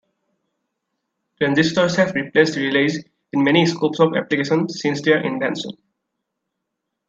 Transistors have replaced relays in many scopes of application since their invention.